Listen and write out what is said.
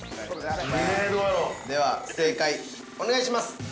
◆では正解、お願いします。